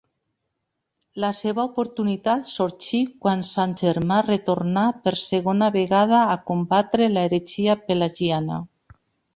La seva oportunitat sorgí quan sant Germà retornà per segona vegada a combatre l'heretgia pelagiana.